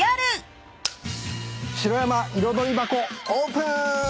城山彩箱オープン！